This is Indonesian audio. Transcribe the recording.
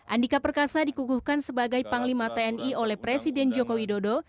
andika perkasa dikukuhkan sebagai panglima tni oleh presiden joko widodo